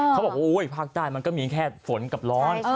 เขาบอกว่าภาคใต้มันก็มีแค่ฝนกับร้อน